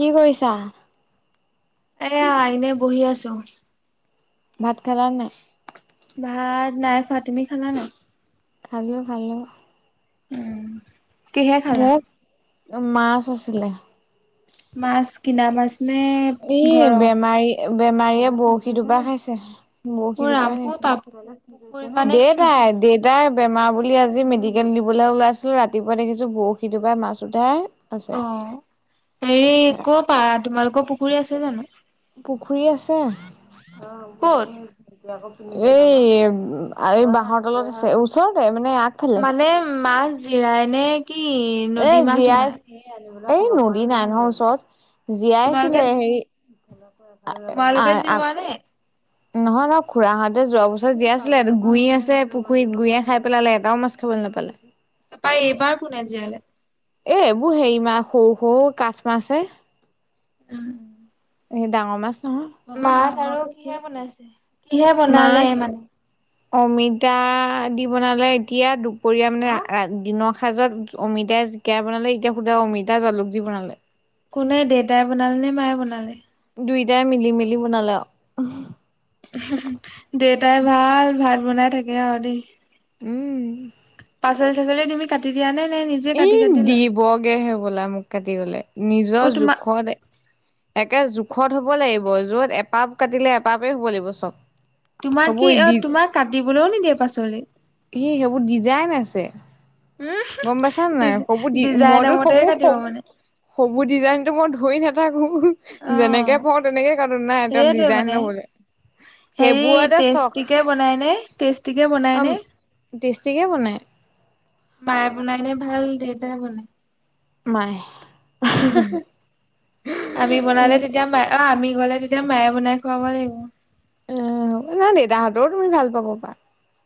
কি কৰিছা? এয়া এনেই বহি আছো। ভাত খালা নে নাই? ভাত নাই খোৱা, তুমি খালা নাই? খালোঁ খালোঁ। উম। কিহে খালা? মোক, মাছ আছিলে। মাছ কিনা মাছ নে? এই ঘৰৰ? বেমাৰী বেমাৰীয়ে বৰশী দুপা খাইছে। অ বৰশী টোপাই ৰাম ক' পা পুখুৰী পুখুৰী পা আনিছে, নে কিনো? দেউতাই- বেমাৰ বুলি আজি মেডিকেল নিবলৈ ওলাইছিলো ৰাতিপুৱা দেখিছো বৰশীটোপাই মাছ উঠাই- অ আছে। হেৰি কপা তোমালোকৰ পুখুৰী আছে জানো? পুখুৰী আছে। ক'ত? এই এই বাঁহৰ তলত আছে ওচৰতে মানে আগত। মানে মাছ জিয়াই নে কি? এ নদী মাছ সোমাই? জীয়াইছিল, এই নদী নাই নহয় ওচৰত, তোমালোকে জীয়াইছিলে হেৰি- [unintelligible] তোমালোকে নহয় জিৰোৱা নে? নহয় খুৰাহঁতে যোৱা বছৰ জীয়াই আছিলে গুই আছে পুখুৰীত গুইয়ে খাই পেলালে এটাও মাছ খাবলৈ নাপালে। পাই এইবাৰ কোনে জিয়ালে? এ এইবোৰ হেৰি মাছ সৰু সৰু কাঠ মাছ হে। উম। এ ডাঙৰ মাছ আৰু নহয়, কিহে বনাইছে? কিহে বনালে মাছ। মানে? [inaudible] অমিতা দি বনালে এতিয়া দুপৰীয়া মানে দিনৰ সাঁজত অমিতা- বনালে এতিয়া সুধা অমিতা জালুক দি বনালে। কোনে দেউতাই বনালে নে মায়ে বনালে? দুইটাই মিলি মেলি বনালে আৰু। অহ। দেউতাই ভাল ভাত বনাই থাকে আৰু দেই। উম। পাচলি চাচলি তুমি কাটি দিয়া নে নে নিজ এই দিবগে হবলা মোক কাটিবলৈ অ নিজৰ তোমাক জোখতে - একে জোখত হব লাগিব যত এপাপ কাটিলে এপাপেই হব লাগিব চব। তোমাক হ'ব কি অ' দি তোমাক কাটিবলৈও নিদিয়ে পাচলি? সে সেইবোৰ ডিজাইন আছে। উম গম পাইছা ডি নাই [unintelligible] ডিজাইনৰ মতে কাটিব মানে [unintelligible] ডিজাইনতটো মই ধৰি নাথাকো। অ যেনেকে পাৰো তেনেকে কাটো নাই তেওঁ সেইটোৱে ডিজাইন মানে লবলে। হেৰি সেইবোৰতে চখ টেষ্টিকে বনাইনে টেষ্টিকে অ বনাইনে? টেষ্টিকে বনাই। মায়ে বনাইনে ভাল দেউতাই বনাই? মায়ে। আমি বনালে তেতিয়া মায়ে অ আমি গলে তেতিয়া মায়ে বনাই খুৱাব লাগিব। উ' নাই দেউতা হাতৰো তুমি ভাল পাব পা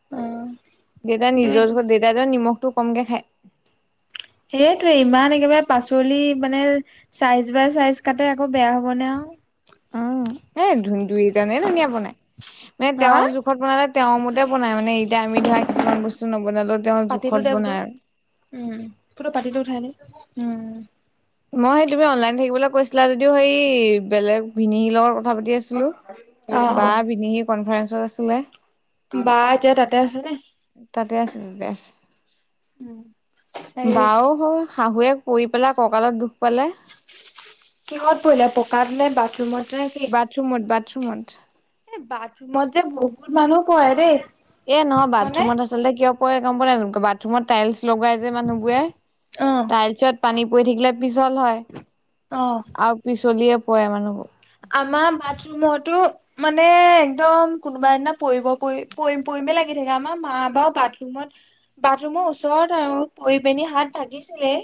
অ'। দেউতা দুই নিজৰ দেউতাই নিমখটো কমকে খায়। সেইটোৱে ইমান একেবাৰে পাচলি মানে চাইজ বাই চাইজ কাতে আকৌ বেয়া হবনে আও ও এ দুইজনে ধুনীয়া বনাই মানে হা তেওঁৰ যোক জোখত বনালে তেওঁৰ মতে বনায় মানে এতিয়া আমি ধৰা কিছুমান বস্তু নবনালেও তেওঁৰ জোখত বনায় উম ফটো পাতিটো উঠাই আনি উম মই সেই তুমি অনলাইন থাকিবলৈ কৈছিলা যদিও সেই বেলেগ ভিনিৰলগত কথা পাতি আছিলো অ অ। বা বিনি কনফাৰেঞ্চত আছিলে বা এতিয়া তাতে আছে নে তাতে আছে তাতে আছে হেৰি বাও হল শাহুৱেক। পৰি পেলাই কঁকালত দুখ পালে। কিহঁত পৰিলে পকাত নে বাথৰুমতনে বাথৰুমত বাথৰুমত এ বাথৰুমত যে বহুত মানুহ পঢ় ৰে দে এ নহয় বাথৰুমত আচলতে কিয় পৰে গম পোৱা না নোপোৱা বাথৰুমত টাইলছ লগাই যে মানুহবোৰে অ। তাইলছত পানী পৰি থাকিলে পিছল হয় অ' আৰু পিছলিয়ে পৰে মানুহবোৰ আমাৰ বাথৰুমতো মানে একদম কোনোবা দিনা পৰিব পৰি পৰি পৰিমেই লাগি থাকে আমাৰ মা বা বাট বাথৰুমত বাথৰুমৰ ওচৰত আৰু পৰি পনী হাত ভাগিছিলে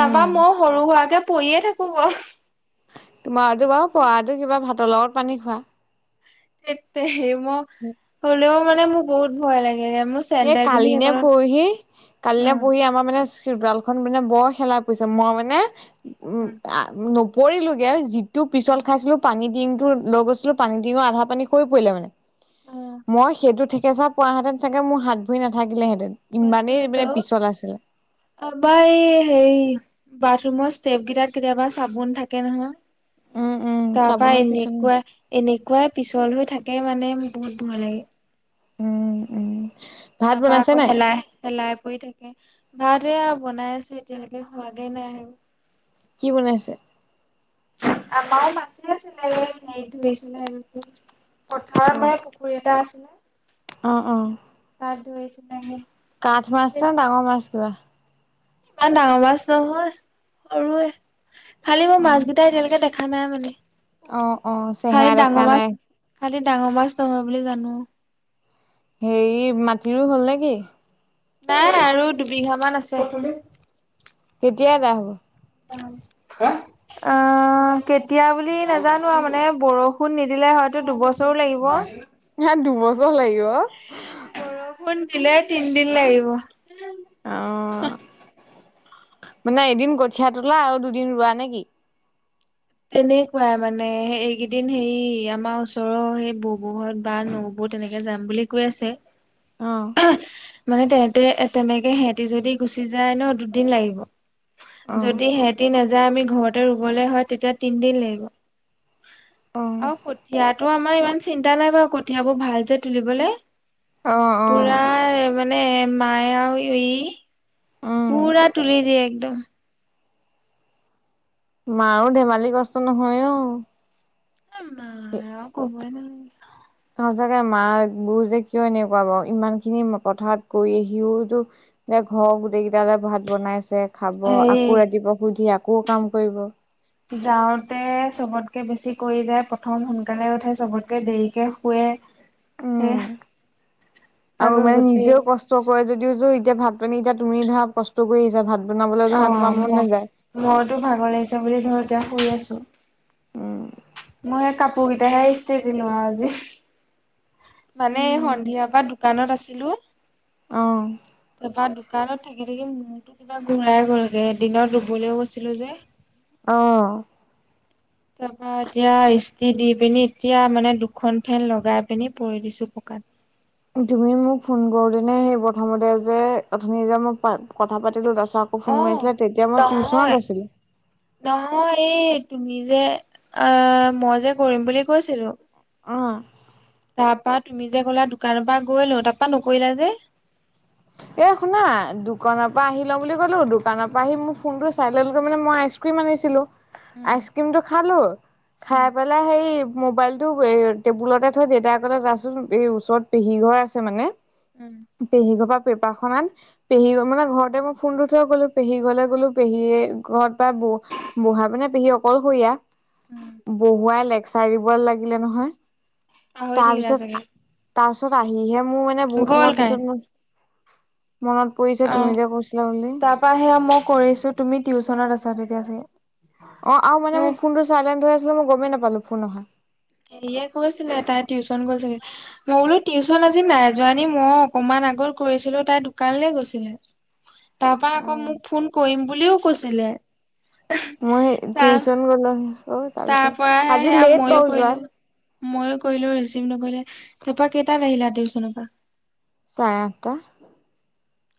তাৰাপা উম মই সৰু হোৱাকে পৰিয়ে থাকো ব তোমাৰতো বাৰু পৰাটো কিবা ভাতৰ লগত পানী খোৱা থেত তেৰি মোক হ'লেও মানে মোক বহুত ভয় লাগে মোৰ এই চেণ্ডেল পিন্ধি কালি নে সেইকনত পৰহি কালি নে উম পৰহি আমাৰ মানে চব্ৰাল খন মানে বৰ খেলাপেছা মই মানে উ উম নপৰিলোগে ত পিছত খাইছিলো পানী ডিঙটো লৈ গৈছিলো পানী ডিঙৰ আধা পানী সৰি পৰিলে মানে মই সেইটো থেকেচা পোৱাহেতেন চাগে মোৰ হাত ভৰি নাথাকিলেহেঁতেন। পচ ইমানেই মানে [unintelligible] পিছল আছিলে আবা এই হেই বাথৰুমৰ ষ্টেভ কেইটাত কেতিয়াবা চাবোন থাকে নহয় উম উম তাৰাপা চাবোনত পিছল এনেকুৱা এনেকুৱাই পিছল হৈ থাকে মানে বহুত ভয় লাগে। উম উম ভাত তাৰপা বনাইছে আকো নাই হেলাই হেলাই পৰি থাকে লৰাটোৱে বনাই আছে এতিয়ালৈকে হোৱাগে নাই আৰু কি বনাইছে? আমাৰ মাছে আছিলে এ হেৰিত ধৰিছিলে আৰু অ পথাৰত মানে পুখুৰী এটা আছিলে, অ অ তাত ধৰিছিলে হে, কাঠ মাছ নে ডাঙৰ মাছ কিবা? ইমান ডাঙৰ মাছ নহয়। সৰুৱে। খালি মই অ মাছ কেইটা এতিয়ালৈকে দেখ খা নাই মানে। অ অ চেহেৰা খালি দেখা ডাঙৰ নাই মাছ খালি ডাঙৰ মাছ নহয় বুলি জানো। হেৰি মাটি ৰুই হ'ল নে কি? নাই। আৰু দুবিঘামান আছে। কেতিয়া গা হ'ব? উম। হা। অ'। অহ। কেতিয়া বুলি নাজানো মানে। বৰষুণ নিদিলে হয়তো দুবছৰো লাগিব। ইয়াত দুবছৰ লাগিব। বৰষুণ দিলে তিনদিন লাগিব। অহ। মানে এদিন কঠিয়া তোলা। আৰু দুদিন ৰোৱা নে কি? তেনেকুৱাই মানে। এইকেইদিন হেৰি আমাৰ ওচৰৰ সেই ব'ব'হঁত বা নব' বৌ তেনেকে যাম বুলি কৈ আছে অ', মানে তেহেতে তেনেকে সিহঁতি যদি গুচি যায় ন, দুদিন লাগিব। অ'। যদি সেঁহত - তি নাযায়, আমি ঘৰতে ৰুবলৈ হয়। তেতিয়া তিনদিন লাগিব। অ', ইয়া তোৰ আমাৰ ইমান চিন্তা নাই বাৰু। কঠিয়াবোৰ ভাল যে তুলিবলৈ। অ', অ', পুৰাই। মানে মায়ে আৰু ই উম, পুৰা তুলি দিয়ে, একদম। মাৰো ধেমালি কষ্ট নহয়, অ'। মাৰ আৰু কবই নালাগে। সচাঁকে মাক বোৰ যে কিয় এনেকুৱা বাৰু, ইমানখিনি পথাৰত কৰি আহিও এতিয়া ঘৰ গোটেইকেইটালে ভাত বনাইছে। খাব। আকৌ হেৰি ৰাতিপুৱা শুই উঠি, আকৌ কাম কৰিব। যাওঁতে চবতকে বেছি কৰি যায়। প্ৰথম সোনকালে উঠে। চবতকে দেৰিকে শুৱে। এ উম। আৰু আকৌ মানে গোটেই নিজেও কচ কষ্ট কৰে, যদিও এতিয়া ভাত- পানী এতিয়া, তুমি ধৰা কষ্ট কৰি আহিছা। ভাত বনাবলৈ ধৰা অহ। তোমাৰ মই মন নাযায়। মইতো ভাগৰ লাগিছে বুলি ধৰ এতিয়া শুই আছো। উম। মই সে কাপোৰ কেইটাহে ইষ্ট্ৰি দিলো আও আজি। মানে এই সন্ধিয়াৰ পৰা দোকানত আছিলো। তাৰপা দোকানত থাকি -থাকি মূৰটো কিবা ঘূৰাই গলগে। দিনত ৰুবলৈও গৈছিলো যে। অহ। তাৰ পৰা এতিয়া ইষ্ট্ৰি দি পিনি, এতিয়া মানে দুখন ফেন লগাই পিনি পৰি দিছো, পকাত। তুমি মোক ফোন কৰোতেনে, সেই প্ৰথমতে যে অথনি যে মই কথা পাতিলো তাছত ফোন মাৰি অ', আছিলে, তেতিয়া মই নহয় টিউচনত আছিলো। নহয়, এই তুমি যে, আহ! মই যে কৰিম বুলি কৈছিলো অ তাৰপা তুমি যে ক'লা দোকানৰ পৰা গৈ লও তাৰপা নকৰিলা যে? এ শুনা, দোকানৰ পৰা আহি লওঁ বুলি কলো। দোকানৰ পৰা আহি মোৰ ফোনটো চাইলেন্ট কৰি মানে মই আইচ ক্ৰীম আনিছিলো। আইচক্ৰীমটো খালো। খাই পেলাই হেৰি মোবাইলটো এ টেবুলতে থৈ, দেতায়ে ক'লে যাচোন এই ওচৰত পেহী ঘৰ আছে মানে পেহী ঘৰপা পেপাৰখন আন পেহী ঘ মানে ঘৰতে মই ফোনটো থৈ গ'লো। পেহী ঘৰলে গ'লো। পেহীয়ে ঘৰত পা বৌ বুঢ়া মানে পেহী অকলশৰীয়া। বহোৱাই লেকচাৰ দিবলে লাগিলে নহয় পাহৰি তাৰ থাকিলা চাগে পিছত, তাৰ পিছত আহিহে মোৰ মানে বহুত গ'ল সময় পিছত, কাৰেণ্ট মোৰ মনত পৰিছে তুমি অ', যে কৈছিলা বুলি। তাৰপা সেয়া মই কৰিছো তুমি টিউচনত আছা তেতিয়া চাগে। অ আৰু মানে মোৰ এহ ফোনটো চাইলেন্ট হৈ আছিলে মই গমেই নাপালো ফোন অহা। হেৰিয়ে কৈছিলে তাই টিউশচন গল চাগে। মই বোলো টিউশচন আজি নাই যোৱা নি, মই অকমান আগত কৰিছিলো তাইৰ দোকানলে গৈছিলে। [inaudible] তাপা আকৌ মোক ফোন কৰিম বুলিও কৈছিলে। মই তাৰ টিউচন গলে অ তাৰ তাৰপিছত আজি লেট বাও যোৱা। ময়ো কৰিলো ৰিচিভ নকৰিলে তাপা কেইটাত আহিলা টিউশনৰ পা। চাৰে আঠটা।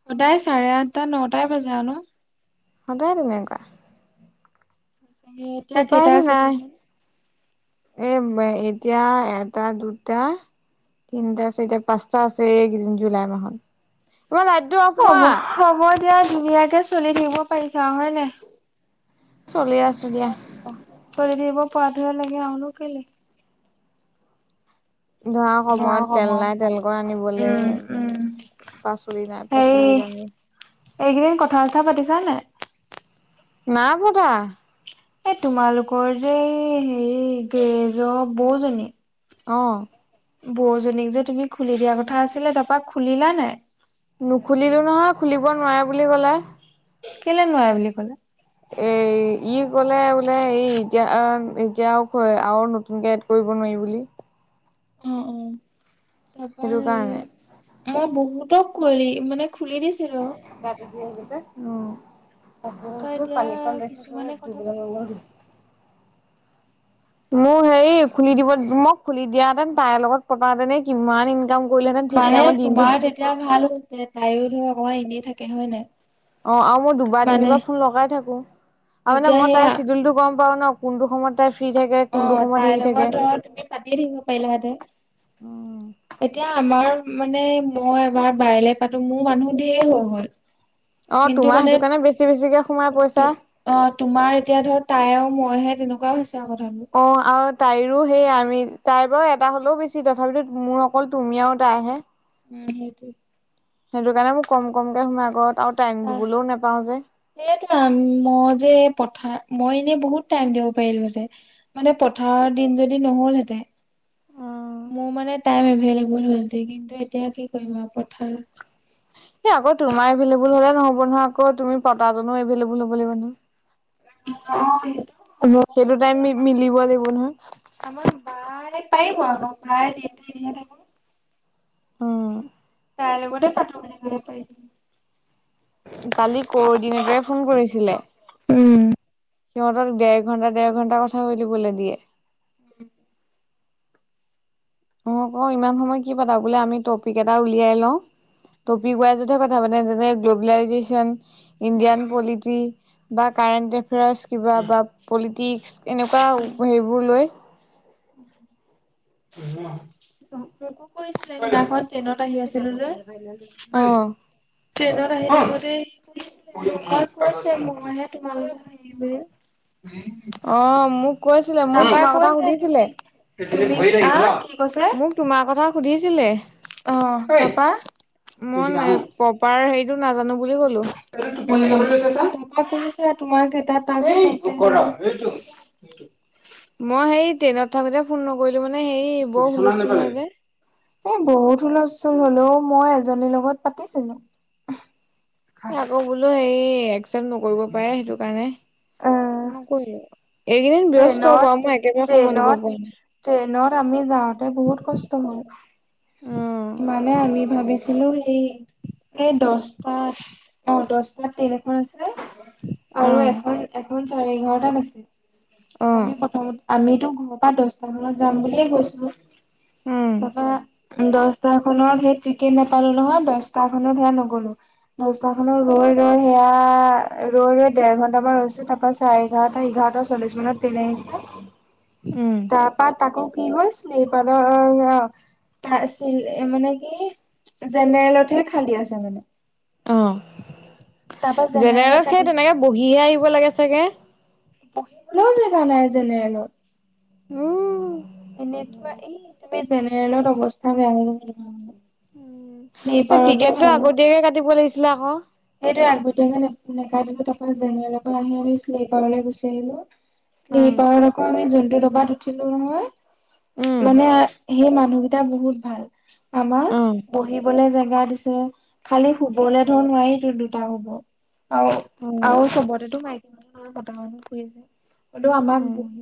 সদায় চাৰে আঠটা নটাই বাজে আৰু ন। সদায় তেনেকুৱা। হে উপায়টো নাই। এ এতিয়া এটা, দুটা, তিনটা, চাৰিটা। কষ্ট আছে এইকেইদিন জুলাই মাহত। অ, লাইটটো অফ কৰা। হ'ব হ'ব দিয়া, ধুনীয়াকে চলি থাকিব পাৰিছা আৰু হয় নাই? চলি আছো। দিয়া চলি থাকিব পৰাটোহে লাগে, আৰুনো কেলে। ধৰা সময়ত তেল নাই, তেল কন আনিবলে। উম উম। পাচলি নাই হেৰি পাচলি দামে, এইকেইদিন কথা- চথা পাতিছা নাই? নাই পতা। এই তোমালোকৰ যে হেৰি, গ্ৰেজৰ বৌজনী। অ। বৌজনীক যে তুমি খুলি দিয়া কথা আছিলে তাপা খুলিলা নাই? নুখুলিলোঁ নহয়। খুলিব নোৱাৰে বুলি ক'লে। কেলে নোৱাৰে বুলি ক'লে? এ ই ক'লে বোলে, এই এতিয়া, এতিয়া আৰু নতুনকে কৰিব নোৱাৰি বুলি। তাপা সেইটো কাৰণে হেৰি মই বহুতক কৰি মানে খুলি দিছিলো। গাটো ধুই আহিলোগে, পাচাব কৰিব তাৰপা গৈছিলোঁ এতিয়া পানী কণ দেখি কিছুমানে পেলাই কথা ধুবলে পাতি মন থাকিলে। গল মোৰ হেৰি, খুলি দিব মোক খুলি দিয়াহেতেন, তাইৰ লগত পতা হেতেন কিমান ইনকাম কৰিলেহেতেন ঠিক নাই। মই দিনটোত এতিয়া ভাল হল। তাইও ধৰ অকমান এনেই থাকে হয় নাই। অ, আৰু মই দুবাৰ, মানে তিনিবাৰ ফোন লগাই থাকো। আৰু মানে এতিয়া মই সেয়া তাইৰ চিডুলটো গম পাওঁ ন। কোনটো সময়ত তাই ফ্ৰী থাকে। অ, কোনটো সময়ত তাইৰ হেৰি থাকে লগত ধৰ তুমি পাতিয়ে থাকিবা পাৰিলাহেতেন। অ। এতিয়া আমাৰ মানে মই এবাৰ বাইলে পাতো মোৰ মানুহ ঢেৰ হৈ গল। অ, কিন্তু তোমাৰ মানে সেইটো কাৰণে বেছি- বেছিকে সোমাই তো পইচা। অ, তোমাৰ এতিয়া ধৰ তাই আৰু মইহে তেনেকুৱাও হৈছে আৰু কথাবোৰ। অ, আৰু তাইৰো সেই আমি তাইৰ বাৰু এটা হ'লেও বেছি। তথাপিতো মোৰ অকল তুমি আৰু তাইহে। উম সেইটোৱে। সেইটো কাৰণে মোৰ কম- কমকে সোমাই ক। আৰু টাইম দিবলৈও নোপাওঁ যে। সেইটোৱে, মই যে পথাৰ, মই এনেই বহুত টাইম দিব পাৰিলোহেঁতেন। মানে, পথাৰৰ দিন যদি নহ'ল হেঁতেন। মোৰ মানে টাইম এভেলেভুল হ'ল হেঁতেন, কিন্তু এতিয়া কি কৰিবা পথাৰ এ অকল তোমাৰ এভেইলেবল হলে নহ'ব নহয় আকৌ, তুমি পতাজনো এভেইলেবল হ'ব লাগিব। অ সেইটো হ'ব সেইটো কিন্তু টাইম মি আমাৰ মিলিব লাগিব নহয়। আমাৰ বায় পাৰিব। বায় দিনটো এনেহে থাকে। অ'। তাইৰে লগতে পাতো, যিমান পাৰি। কালি, ক'ৰ্দিনেতৰে ফোন কৰিছিলে। উম সিহঁতক, ডেৰ ঘণ্টা, ডেৰ ঘণ্টা, কথা পাতিবলৈ দিয়ে। [inaudible] মই কওঁ, ইমান সময় কি পাতা বোলে? আমি টপিক এটা উলিয়াই লওঁ। টপিক ৱাইজতহে কথা পাতো, যেনে, গ্ল'বেলাইজেচন, উম ইণ্ডিয়ান পলিটি বা কাৰেণ্ট এফেয়াৰ্চ, কিবা উম। বা পলিটিক্স, এনেকুৱা সেইবোৰ লয়। মোকো কৈছিলে, সিদিনাখন। ট্ৰেইনত আহি আছিলো যে। অ', ট্ৰেইনত আহি থাকোতেই, মই কৈছোয়ে মই নহ'লে তোমালোক দেই। [inaudible] অ', মোক কৈছিলে, মোক তোমাৰ কথা সুধিছিলে। হা, কি কৈছা? মোক, তোমাৰ কথা সুধিছিলে। অ', তাৰপৰা প'পাৰ হেৰিটো নাজানো বুলি ক'লো। [unintelligible] [inaudible] মই হেৰী, ট্ৰেইনত থাকোতে ফোন নকৰিলো মানে, হেৰী। বিচনাত নেপেলাবি। এ বহুত হুলস্থুল হ'লেও মই এজনীৰ লগত পাতিছিলো। [inaudible] অ', বোলো হে একচেপ্ট নকৰিব পাৰে, সেইটো কাৰণে আহ নকৰিলো। এইকেইদিন ব্যস্ত ট্ৰেইনত বাৰু, মই একেবাৰে সময় দিব ট্ৰেইনত পৰা নাই। ট্ৰেইনত আমি যাওঁতে বহুত কষ্ট হ'ল, উম তোমাৰ মানে আমি ভাবিছিলো, সেই এই দছটাত অ', দহটাত ট্ৰেইন এখন আছে, আৰু অ'। এখন, এখন চাৰে এঘাৰটাত আছিল। আমি অ', প্ৰথমত, আমিতো ঘৰ-পৰা দশটা মানত যাম বুলিয়ে গৈছোঁ। উম, তাৰপৰা। দছটা খনত সেই টিকেট নাপালো নহয়, দচটা খনত সেয়া নগ'লো। ৰাস্তা কাণত সেইয়া, ৰৈ, ৰৈ, সেইয়া ৰৈ ৰৈ দেৰ ঘন্টামান ৰৈছো তাৰপাছ চাৰে এঘাৰটা, এঘাৰটা চল্লিশ মানত ট্ৰেইন আহিছে। উম। তাৰপৰা, তাকো কি হ'ল, [unintelligible] [unintelligible] মানে কি, জেনেৰেলতহে খালী আছে মানে। অ', তাৰপা জেনেৰেলত সেই কাটি তেনেকৈ বহিহে আহিব লাগে চাগে। বহি বলেও জেগা নাই উ, জেনেৰেলত এনেকুৱা এই এই জেনেৰেলত অৱস্থা বেয়া হৈ গৈছে মানে। টিকেটটো অ আগতীয়াকে কাটিব লাগিছিলে আকৌ। সেইটোৱে আগতীয়াকে নেকাতিলো তাপা জেনেৰেলত আহি আমি শ্লীপাৰলৈ গুচি আহিলোঁ। উম, শ্লীপাৰত আকৌ জোনটো দবাত উঠিলোঁ নহয়। উম, মানে সেই মানুহকেইটা বহুত ভাল। আমাৰ উম, বহিবলে জেগা দিছে খালি শুবলৈ ধৰ নোৱাৰি। দুটা হ'ব আৰু উম, আৰু চবতেতো মাইকী মানুহ নহয় মতা মানুহ [unintelligible] শুই আছে। হ'লেও আমাক উম। বহি